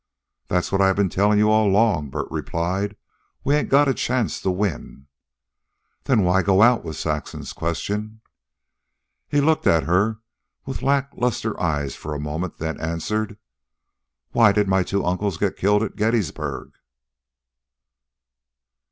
"That's what I've ben tellin' you all along," Bert replied. "We ain't got a chance to win." "Then why go out?" was Saxon's question. He looked at her with lackluster eyes for a moment, then answered "Why did my two uncles get killed at Gettysburg?"